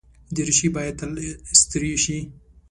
دریشي باید تل استری شي.